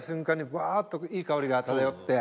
ぶわっといい香りが漂って。